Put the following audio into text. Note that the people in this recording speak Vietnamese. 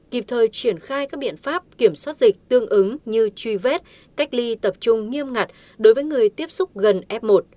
kịp thời triển khai các biện pháp kiểm soát dịch tương ứng như truy vết cách ly tập trung nghiêm ngặt đối với người tiếp xúc gần f một